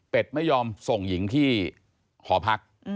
เป็นไม่ยอมส่งหญิงที่หอพัก